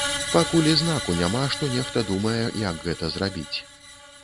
Пакуль і знаку няма, што нехта думае, як гэта зрабіць.